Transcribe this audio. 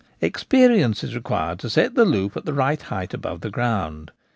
Experience is required to set the loop at the right height above the ground.